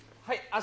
はい。